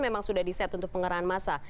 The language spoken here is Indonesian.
ini memang sudah di set untuk penyerahan massa